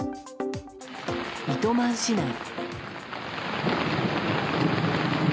糸満市内。